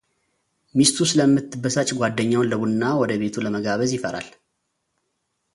ሚሰቱ ስለምትበሳጭ ጓደኛውን ለቡና ወደቤቱ ለመጋበዝ ይፈራል፡፡